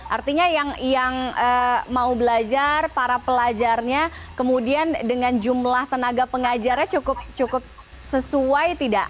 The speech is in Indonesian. artinya yang mau belajar para pelajarnya kemudian dengan jumlah tenaga pengajarnya cukup sesuai tidak